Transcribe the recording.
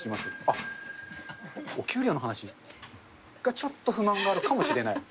あっ、お給料の話？が、ちょっと不満があるかもしれない？